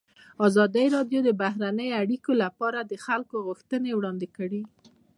ازادي راډیو د بهرنۍ اړیکې لپاره د خلکو غوښتنې وړاندې کړي.